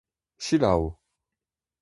Selaou !